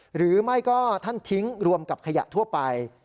หรือไม่ก็ท่านทิ้งรวมกับขยะทั่วไป